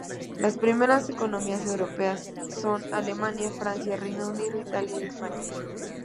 Las primeras economías europeas son Alemania, Francia, Reino Unido, Italia y España.